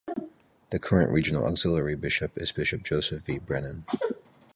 The current regional auxiliary bishop is Bishop Joseph V. Brennan.